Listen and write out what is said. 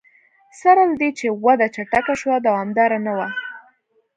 سره له دې چې وده چټکه شوه دوامداره نه وه.